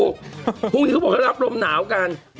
พรุ่งนี้เขาบอกเขารับลมหนาวกัน